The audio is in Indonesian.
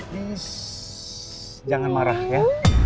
please jangan marah ya